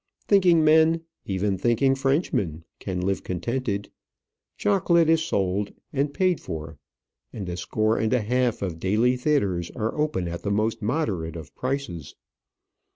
Thinking men, even thinking Frenchmen, can live contented. Chocolate is sold and paid for. And a score and a half of daily theatres are open at the most moderate of prices.